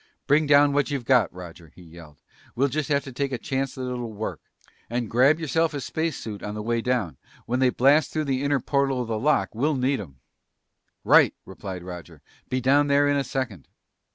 "Bring down what you've got, Roger!" he yelled. "We'll just have to take a chance that it'll work. And grab yourself a space suit on the way down. When they blast through the inner portal of the lock, we'll need 'em!" "Right!" replied Roger. "Be down there in a second."